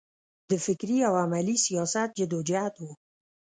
د فکري او عملي سیاست جدوجهد و.